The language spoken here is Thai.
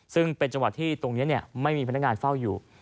ซึ่งเป็นจังหวะที่ตรงนี้ไม่มีพนักงานเฝ้าอยู่